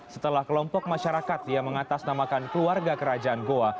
setelah kelompok masyarakat yang mengatasnamakan keluarga kerajaan goa